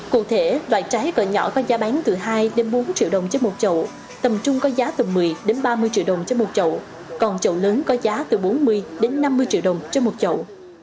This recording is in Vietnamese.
cụ thể loại trái cỡ nhỏ có giá bán từ hai bốn triệu đồng cho một chậu tầm trung có giá từ một mươi ba mươi triệu đồng trên một chậu còn chậu lớn có giá từ bốn mươi đến năm mươi triệu đồng trên một chậu